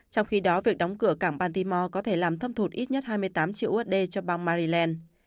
trong khi đó việc đóng cửa cảng patimo có thể làm thâm hụt ít nhất hai mươi tám triệu usd cho bang maryland